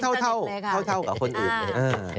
ใช่ผมก็รู้เท่ากับคนอื่น